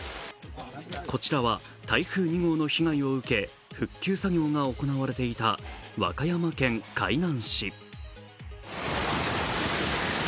こちらは台風２号の被害を受け、復旧作業が行われていた和歌山県海南市。